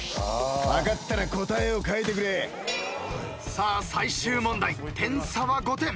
「分かったら答えを書いてくれ」さあ最終問題点差は５点。